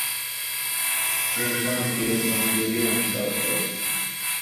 گھِن٘ل کام کیرُوں کمزوری یاں احساس ہو تُھو۔